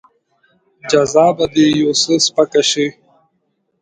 جزا به دې يو څه سپکه شي.